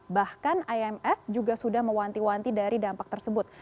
bahkan imf juga sudah mewanti wanti dari dampak tersebut